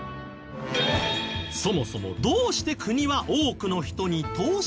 そもそもどうして国は多くの人に投資させたいの？